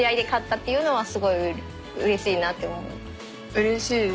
うれしいです。